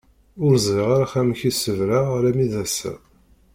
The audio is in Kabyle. Ur ẓriɣ ara amek i sebreɣ alammi d ass-a.